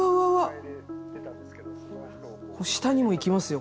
下にも行きますよ